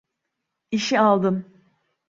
İşi aldın.